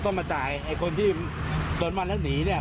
คือเราต้องรับผิดชอบด้วยถูกไหม